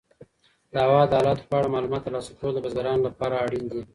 د هوا د حالاتو په اړه معلومات ترلاسه کول د بزګرانو لپاره اړین دي.